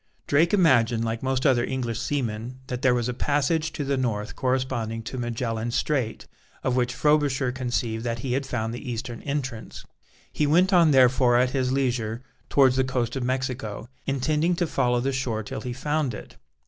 Drake imagined, like most other English seamen, that there was a passage to the north corresponding to Magellan's Strait, of which Frobisher conceived that he had found the eastern entrance. He went on therefore at his leisure towards the coast of Mexico, intending to follow the shore till he found it.